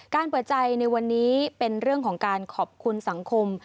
เปิดใจในวันนี้เป็นเรื่องของการขอบคุณสังคม